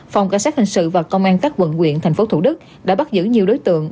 phòng cảnh sát hình sự và công an các quận quyện tp thủ đức đã bắt giữ nhiều đối tượng